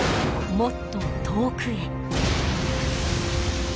もっと遠くへ。